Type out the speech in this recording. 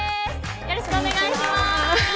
よろしくお願いします。